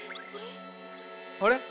あれ？